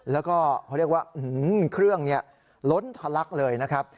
แล้วก็เขาเรียกว่าเครื่องล้นทะลักเลยนะครับ